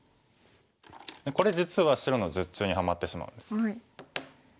これ実は白の術中にはまってしまうんです。